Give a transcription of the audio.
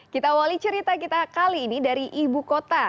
kita awali cerita kita kali ini dari ibu kota